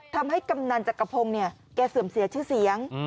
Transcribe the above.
ทำให้กำนันจักรพงศ์เขาเสื่อมเสียชื่อเสียง